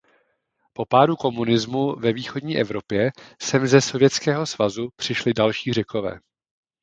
Po pádu komunismu ve východní Evropě sem ze Sovětského svazu přišli další Řekové.